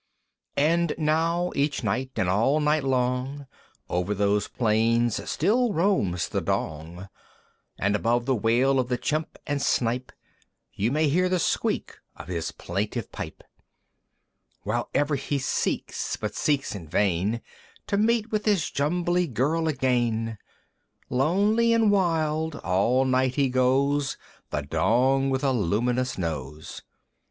And now each night, and all night long, Over those plains still roams the Dong! And above the wail of the Chimp and Snipe You may hear the squeak of his plaintive pipe, While ever he seeks, but seeks in vain, To meet with his Jumbly Girl again; Lonely and wild all night he goes, The Dong with a luminous Nose!